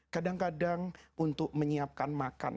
kadang kadang untuk menyiapkan makan